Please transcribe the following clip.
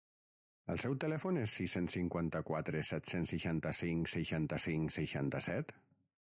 El seu telèfon és sis-cents cinquanta-quatre set-cents seixanta-cinc seixanta-cinc seixanta-set?